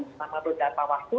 namanya berdata waktu